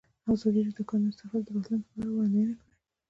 ازادي راډیو د د کانونو استخراج د راتلونکې په اړه وړاندوینې کړې.